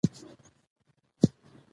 کندهار د افغان کورنیو د دودونو مهم عنصر دی.